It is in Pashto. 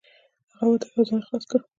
هغه وتښتېد او ځان یې خلاص کړ.